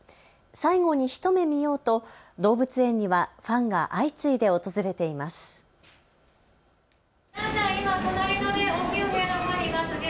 最後に一目見ようと動物園にはファンが相次いで訪れています。